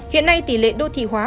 hiện nay tỷ lệ đô thị hóa